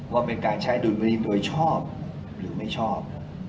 ว่าเป็นการใช้ดุลมินโดยชอบหรือไม่ชอบ